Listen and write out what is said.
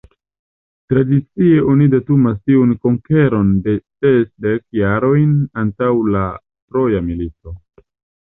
Tradicie oni datumas tiun konkeron de sesdek jarojn antaŭ la Troja milito.